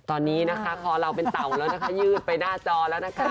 ตอนนี้นะคะคอเราเป็นเต่าแล้วนะคะยืดไปหน้าจอแล้วนะคะ